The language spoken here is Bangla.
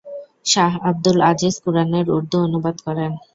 শাহ আবদুল আজিজ কুরআনের উর্দু অনুবাদ করেন।